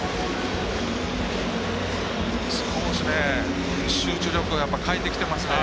少し集中力が欠いてきていますね。